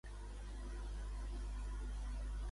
I quin altre, de més extrem?